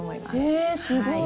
へえすごい。